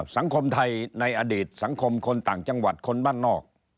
สังคมไทยในอดีตสังคมคนต่างจังหวัดคนบ้านนอก